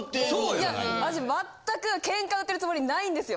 いや私全くケンカ売ってるつもりないんですよ。